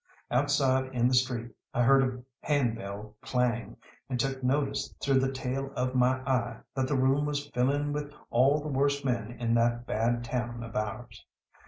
Outside in the street I heard a hand bell clang, and took notice through the tail of my eye that the room was filling with all the worst men in that bad town of ours.